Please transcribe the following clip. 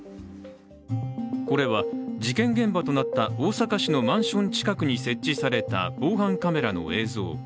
これは事件現場となった大阪市のマンション近くに設置された防犯カメラの映像。